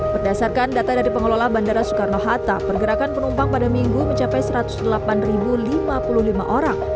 berdasarkan data dari pengelola bandara soekarno hatta pergerakan penumpang pada minggu mencapai satu ratus delapan lima puluh lima orang